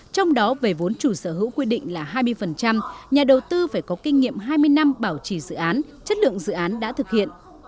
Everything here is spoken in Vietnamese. trong đó về vốn chủ sở hữu quy định là hai mươi nhà đầu tư phải có kinh nghiệm hai mươi năm bảo trì dự án chất lượng dự án đã thực hiện